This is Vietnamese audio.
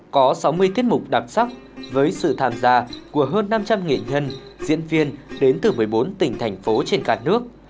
có sáu mươi tiết mục đặc sắc với sự tham gia của hơn năm trăm linh nghệ nhân diễn viên đến từ một mươi bốn tỉnh thành phố trên cả nước